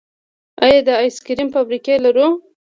آیا د آیس کریم فابریکې لرو؟